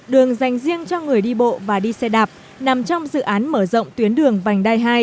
đường dành riêng cho người đi bộ và đi xe đạp nằm trong dự án mở rộng tuyến đường vành đai hai